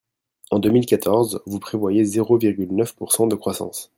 En deux mille quatorze, vous prévoyez zéro virgule neuf pourcent de croissance.